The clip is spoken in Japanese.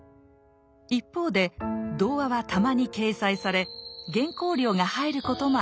一方で童話はたまに掲載され原稿料が入ることもありました。